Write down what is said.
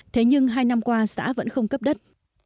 thế nhưng hai năm qua xã vẫn không cấp đất